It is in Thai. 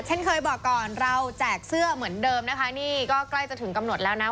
เช่นเคยบอกก่อนเราแจกเสื้อเหมือนเดิมนะคะนี่ก็ใกล้จะถึงกำหนดแล้วนะ